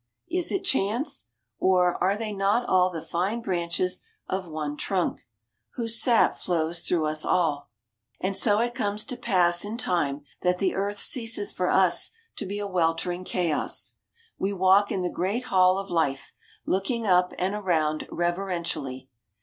Is it chance? Or, are they not all the fine branches of one trunk, whose sap flows through us all? ... And so it comes to pass, in time, that the earth ceases for us to be a weltering chaos. We walk in the great hall of life, looking up and around reverentially.